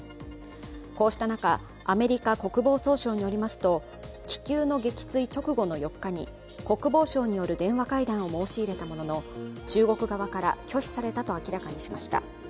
こうした中、アメリカ国防総省によりますと気球の撃墜直後の４日、国防相による電話会談を申し入れたものの中国側から拒否されたと明らかにしました。